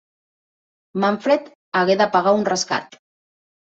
Manfred hagué de pagar un rescat.